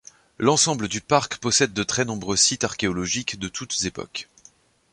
L'ensemble du parc possède de très nombreux sites archéologiques de toutes époques.